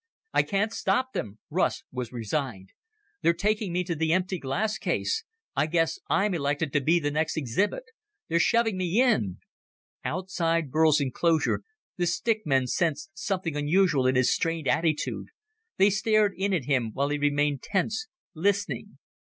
"I can't stop them." Russ was resigned. "They're taking me to the empty glass case. I guess I'm elected to be the next exhibit. They're shoving me in!" Outside Burl's enclosure the stick men sensed something unusual in his strained attitude. They stared in at him, while he remained tense, listening.